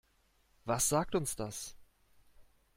Was sagt uns das?